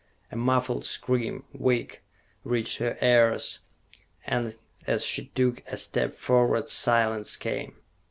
A muffled scream, weak, reached her ears, and as she took a step forward, silence came.